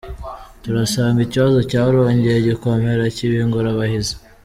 "Turasanga ikibazo cyarongeye gukomera , kiba ingorabahizi.